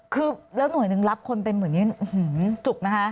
คือแล้วหน่วยหนึ่งรับคนเป็นหมื่นนี้จุกนะคะ